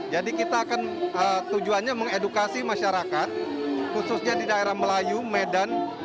jadi kita akan tujuannya mengedukasi masyarakat khususnya di daerah melayu medan